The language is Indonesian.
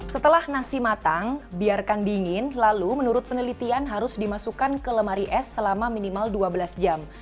setelah nasi matang biarkan dingin lalu menurut penelitian harus dimasukkan ke lemari es selama minimal dua belas jam